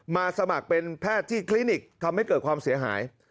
สมัครเป็นแพทย์ที่คลินิกทำให้เกิดความเสียหาย